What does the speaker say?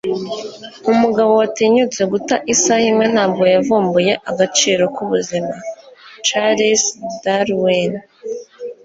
umugabo watinyutse guta isaha imwe ntabwo yavumbuye agaciro k'ubuzima. - charles darwin